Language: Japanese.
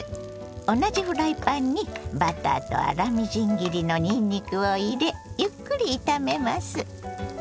同じフライパンにバターと粗みじん切りのにんにくを入れゆっくり炒めます。